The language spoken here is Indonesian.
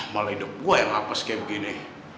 malah hidup gua yang apes kayak begini